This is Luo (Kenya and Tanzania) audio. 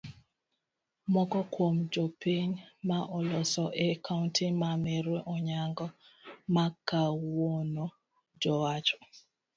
Moko kuom jopiny ma oloso e kaunti ma meru onyango makawuono jowacho